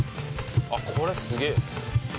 あっこれすげえ。